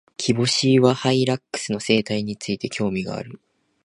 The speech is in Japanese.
キボシイワハイラックスの生態について、興味がある。